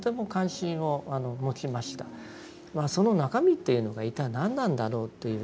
その中身というのが一体何なんだろうというですね